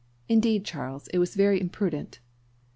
Indeed, Charles, it was very imprudent."